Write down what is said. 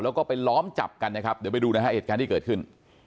แล้วก็ไปล้อมจับกันนะครับเดี๋ยวไปดูนะฮะเหตุการณ์ที่เกิดขึ้น